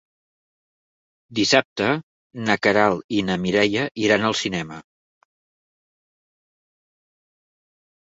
Dissabte na Queralt i na Mireia iran al cinema.